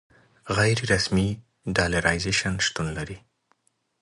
غیر رسمي ډالرایزیشن شتون لري.